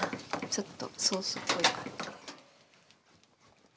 ちょっとソースっぽい。